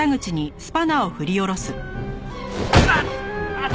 あっ！